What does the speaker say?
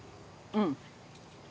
うん。